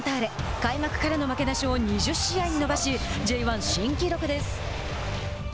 開幕からの負けなしを２０試合に伸ばしＪ１新記録です。